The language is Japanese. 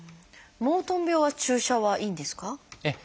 モートン病は注射はいいんですか？